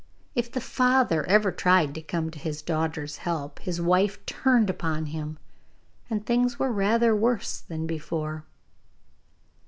If the father ever tried to come to his daughter's help, his wife turned upon him, and things were rather worse than before.